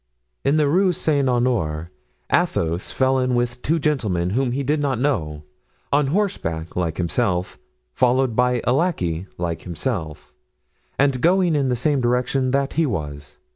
In the Rue Saint Honore Athos fell in with two gentlemen whom he did not know, on horseback like himself, followed by a lackey like himself, and going in the same direction that he was.